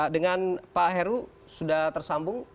dengan pak heru sudah tersambung